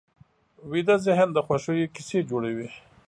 ویده ذهن د خوښیو کیسې جوړوي